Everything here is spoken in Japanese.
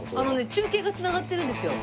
中継が繋がってるんですよ。